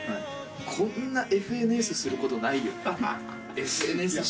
こんな「ＦＮＳ」することないよね。